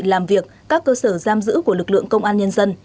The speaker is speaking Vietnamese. làm việc các cơ sở giam giữ của lực lượng công an nhân dân